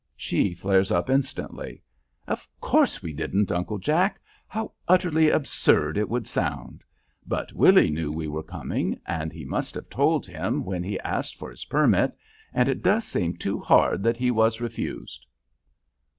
She flares up instantly. "Of course we didn't, Uncle Jack; how utterly absurd it would sound! But Willy knew we were coming, and he must have told him when he asked for his permit, and it does seem too hard that he was refused."